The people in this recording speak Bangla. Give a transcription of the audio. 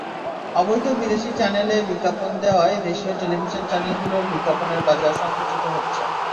অবৈধ বিদেশি চ্যানেলে বিজ্ঞাপন দেওয়ায় দেশীয় টেলিভিশন চ্যানেলগুলোর বিজ্ঞাপনের বাজার সংকুচিত হচ্ছে।